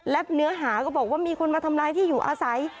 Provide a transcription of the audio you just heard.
และเนื้อหาก็บอกว่ามีคนมาทำลายที่อยู่อาศัย